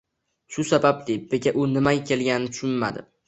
Shu sababli beka u nimaga kelganini tushunmadi